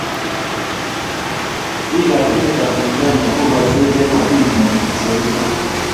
Biikab emetab Tanzania kogasegei kuting'wai, Kiswahili.